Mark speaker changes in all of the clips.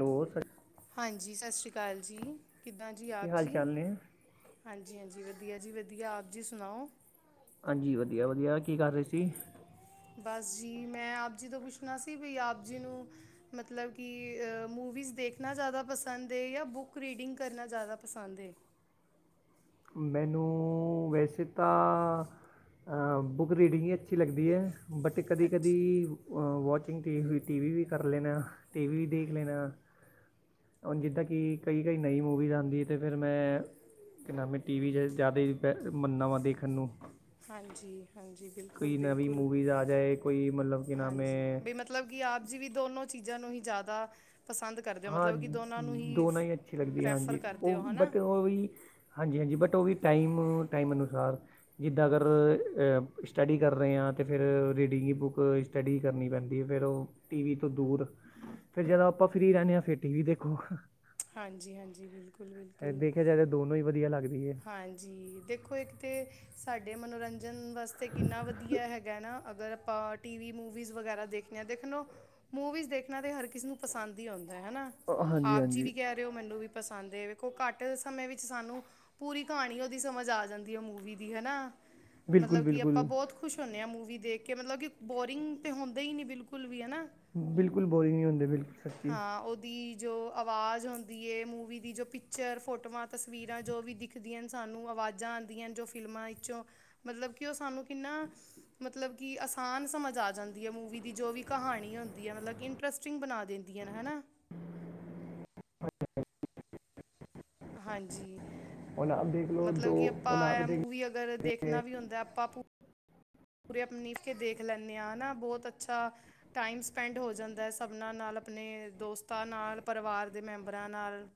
Speaker 1: ਰੋਜ਼
Speaker 2: ਹਾਂਜੀ ਸਤਿ ਸ਼੍ਰੀ ਅਕਾਲ ਜੀ ਕਿੱਦਾਂ ਜੀ
Speaker 1: ਕੀ
Speaker 2: ਆਪ
Speaker 1: ਹਾਲ
Speaker 2: ਜੀ
Speaker 1: ਚਾਲ ਨੇ?
Speaker 2: ਹਾਂਜੀ ਹਾਂਜੀ ਵਧੀਆ ਜੀ ਵਧੀਆ ਆਪ ਜੀ ਸੁਣਾਓ
Speaker 1: ਹਾਂਜੀ ਵਧੀਆ ਵਧੀਆ ਕੀ ਕਰ ਰਹੇ ਸੀ
Speaker 2: ਬਸ ਜੀ ਮੈਂ ਆਪ ਜੀ ਤੋਂ ਪੁੱਛਣਾ ਸੀ ਵੀ ਆਪ ਜੀ ਨੂੰ ਮਤਲਬ ਕਿ ਮੂਵੀਸ ਦੇਖਣਾ ਦਾ ਪਸੰਦ ਹੈ ਜਾਂ ਬੁੱਕ ਰੀਡਿੰਗ ਕਰਨਾ ਪਸੰਦ ਐ।
Speaker 1: ਮੈਨੂੰ ਵੈਸੇ ਤਾਂ ਬੁੱਕ ਰੀਡਿੰਗ ਹੀ ਅੱਛੀ ਲੱਗਦੀ ਹੈ ਬਟ ਕਦੀ -ਕਦੀ
Speaker 2: ਅੱਛਾ
Speaker 1: ਵਾਚਿੰਗ ਟੀ ਵੀ ਕਰ ਲੈਣਾ ਟੀ ਵੀ ਦੇਖ ਲੈਣਾ। ਹੁਣ ਜਿੱਦਾਂ ਕਿ ਕਈ- ਕਈ ਨਵੀਂ ਮੂਵੀਜ਼ ਆਉਂਦੀ ਹੈ ਅਤੇ ਫਿਰ ਮੈਂ ਕਿ ਨਾਮ ਟੀ ਵੀ 'ਚ ਜ਼ਿਆਦਾ ਹੀ ਬੈ ਮੰਨਨਾ ਵਾਂ ਦੇਖਣ ਨੂੰ
Speaker 2: ਹਾਂਜੀ ਹਾਂਜੀ ਬਿਲਕੁਲ
Speaker 1: ਕੋਈ ਨਵੀਂ
Speaker 2: ਬਿਲਕੁਲ
Speaker 1: ਮੂਵੀਜ਼ ਆ ਜਾਏ ਕੋਈ ਮਤਲਬ ਕਿ ਨਾਮ
Speaker 2: ਹਾਂਜੀ
Speaker 1: ਹੈ
Speaker 2: ਵੀ ਮਤਲਬ ਮਤਲਬ ਕਿ ਆਪ ਜੀ ਵੀ ਦੋਨੋ ਚੀਜ਼ਾਂ ਨੂੰ ਹੀ ਜ਼ਿਆਦਾ ਪਸੰਦ ਕਰਦੇ ਹੋ
Speaker 1: ਹਾਂ
Speaker 2: ਮਤਲਬ ਕਿ ਦੋਨਾਂ ਨੂੰ
Speaker 1: ਦੋਨਾਂ ਹੀ ਅੱਛੀ ਲੱਗਦੀ
Speaker 2: ਰੈਫਰ
Speaker 1: ਹਾਂਜੀ
Speaker 2: ਕਰਦੇ
Speaker 1: ਉਹ
Speaker 2: ਹੋ ਹੈ ਨਾ
Speaker 1: ਬਟ ਉਹ ਵੀ ਹਾਂਜੀ ਹਾਂਜੀ ਬਟ ਉਹ ਵੀ ਟਾਈਮ ਟਾਈਮ ਅਨੁਸਾਰ ਜਿੱਦਾਂ ਅਗਰ ਸਟੱਡੀ ਕਰ ਰਹੇ ਹਾਂ ਤਾਂ ਫਿਰ ਰੀਡਿੰਗ ਦੀ ਬੁੱਕ ਸਟੱਡੀ ਕਰਨੀ ਪੈਂਦੀ ਹੈ ਫਿਰ ਉਹ ਟੀ ਵੀ ਤੋਂ ਦੂਰ ਫਿਰ ਜਦੋਂ ਆਪਾਂ ਫਰੀ ਰਹਿੰਦੇ ਆਂ ਫਿਰ ਟੀ ਵੀ ਦੇਖੋ।
Speaker 2: ਹਾਂਜੀ- ਹਾਂਜੀ ਬਿਲਕੁਲ ਬਿਲਕੁਲ
Speaker 1: ਦੇਖਿਆ ਜਾਏ ਤਾਂ ਦੋਨੋਂ ਹੀ ਵਧੀਆ ਲੱਗਦੀ ਹੈ।
Speaker 2: ਹਾਂਜੀ ਦੇਖੋ ਇੱਕ ਤੇ ਸਾਡੇ ਮਨੋਰੰਜਨ ਵਾਸਤੇ ਕਿੰਨਾ ਵਧੀਆ ਹੈਗਾ ਨਾ ਅਗਰ ਆਪਾਂ ਟੀ ਵੀ ਮੂਵੀਜ਼ ਵਗੈਰਾ ਦੇਖ ਦੇਖ ਲ ਮੂਵੀਜ਼ ਦੇਖਣਾ ਤਾਂ ਹਰ ਕਿਸੇ ਨੂੰ ਪਸੰਦ ਹੀ ਆਉਂਦਾ ਹੈ ਹਨਾ।
Speaker 1: ਅ, ਹਾਂਜੀ
Speaker 2: ਆਪ ਜੀ
Speaker 1: ਹਾਂਜੀ
Speaker 2: ਵੀ ਕਹਿ ਰਹੇ ਹੋ ਮੈਨੂੰ ਵੀ ਪਸੰਦ ਹੈ ਵੇਖੋ ਘੱਟ ਸਮੇਂ ਵਿੱਚ ਸਾਨੂੰ ਪੂਰੀ ਕਹਾਣੀ ਉਹਦੀ ਸਮਝ ਆ ਜਾਂਦੀ ਹੈ ਮੂਵੀ ਦੀ ਹਨਾ
Speaker 1: ਬਿਲਕੁਲ
Speaker 2: ਮਤਲਬ ਕਿ ਆਪਾਂ
Speaker 1: ਬਿਲਕੁਲ
Speaker 2: ਬਹੁਤ ਖੁਸ਼ ਹੁੰਦੇ ਆ ਮੂਵੀ ਦੇਖ ਕੇ ਮਤਲਬ ਕਿ ਬੋਰਿੰਗ ਤੇ ਹੁੰਦੇ ਹੀ ਨਹੀਂ ਬਿਲਕੁਲ ਵੀ ਹਨਾ।
Speaker 1: ਬਿਲਕੁਲ ਬੋਰਿੰਗ ਨਹੀਂ ਹੁੰਦੇ ਬਿਲਕੁ
Speaker 2: ਹਾਂ ਉਹ ਦੀ ਜੋ ਆਵਾਜ਼ ਹੁੰਂਦੀ ਹੈ ਮੂਵੀ ਦੀ ਜੋ ਪਿਕਚਰ ਫੋਟੋਆਂ ਤਸਵੀਰਾਂ ਜੋ ਵੀ ਦੀ ਖਦੀ ਸਾਨੂੰ ਆਵਾਜ਼ਾਂ ਆਉਂਦੀਆਂ ਜੋ ਫਿਲਮਾਂ ਵਿਚੋਂ ਮਤਲਬ ਕਿ ਉਹ ਸਾਨੂੰ ਕਿੰਨਾ ਮਤਲਬ ਕਿ ਆਸਾਨ ਸਮਝ ਆ ਜਾਂਦੀ ਹੈ ਮੂਵੀ ਦੀ ਜੋ ਵੀ ਕਹਾਣੀ ਹੁੰਦੀ ਹੈ ਮਤਲਬ ਕਿ ਇੰਟਰਸਟਿੰਗ ਬਣਾ ਦਿੰਦੀਆਂ ਨੇ ਹਨਾ। ਹਾਂਜੀ
Speaker 1: ਹੁਣ ਆਪ ਦੇਖ ਲਓ ਦੋ
Speaker 2: ਮਤਲਬ ਕਿ
Speaker 1: ਹੁਣ ਆਪ
Speaker 2: ਆਪਾਂ
Speaker 1: ਦੇਖ
Speaker 2: ਮੂਵੀ ਅਗਰ
Speaker 1: ਲਓ
Speaker 2: ਦੇਖਣਾ ਵੀ ਹੁੰਦਾ ਆਪਾਂ ਭ ਪੂਰੇ ਆਪਨੀ ਰ ਕੇ ਦੇਖ ਲੈਂਦੇ ਹਾਂ ਹਨਾ ਬਹੁਤ ਅੱਛਾ ਟਾਈਮ ਸਪੈਂਡ ਹੋ ਜਾਂਦਾ ਸਭਨਾਂ ਨਾਲ ਆਪਣੇ ਦੋਸਤਾਂ ਨਾਲ ਪਰਿਵਾਰ ਦੇ ਮੈਂਬਰਾਂ ਨਾਲ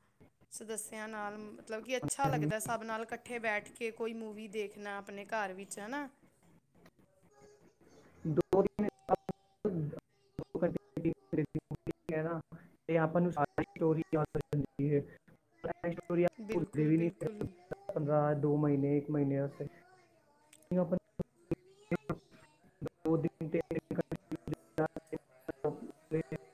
Speaker 2: ਸਦੱਸਿਆ ਨਾਲ ਮਤਲਬ ਕਿ ਅੱਛਾ ਲੱਗਦਾ ਸਭ ਨਾਲ ਇਕੱਠੇ ਬੈਠ ਕੇ ਕੋਈ ਮੂਵੀ ਦੇਖਣਾ ਆਪਣੇ ਘਰ ਵਿੱਚ ਚ ਨਾ।
Speaker 1: [unintelligible] [unintelligible] [unintelligible]
Speaker 2: ਬਿਲਕੁਲ ਬਿਲਕੁਲ
Speaker 1: ਵੀ ਪੰਦਰਾਂ ਦੋ ਮਹੀਨੇ ਇੱਕ ਮਹੀਨੇ ਵਾਸਤੇ [unintelligible] ਦੋ ਦਿਨ ਤੇ [inaudible]